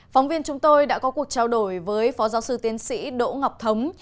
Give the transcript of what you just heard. phóng viên chúng tôi đã có cuộc trao đổi với phó giáo sư tiến sĩ đỗ ngọc thống